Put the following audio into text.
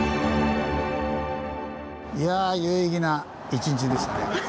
いや有意義な一日でしたねこれは。